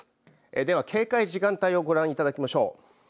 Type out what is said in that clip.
では、警戒時間帯をご覧いただきましょう。